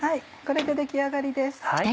これで出来上がりです。